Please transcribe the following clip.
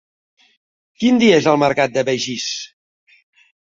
Quin dia és el mercat de Begís?